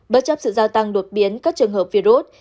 bất chấp sự gia tăng đột biến các trường hợp virus